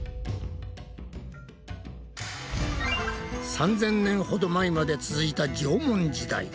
３，０００年ほど前まで続いた縄文時代。